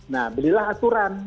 nah belilah aturan